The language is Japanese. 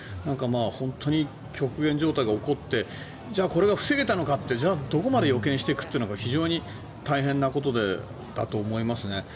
本当に極限状態が起こってこれが防げたのかってじゃあ、どこまで予見していくっていうのが非常に大変なことだと思いますね。